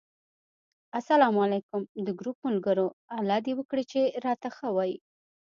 اسلام علیکم! د ګروپ ملګرو! الله دې وکړي چې راته ښه وی